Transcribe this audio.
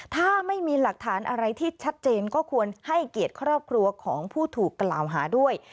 ถ้าไม่มีหลักฐานอะไรที่ชัดเจนก็ควรให้เกียรติครอบครัวของผู้ถูกกล่าวหาด้วย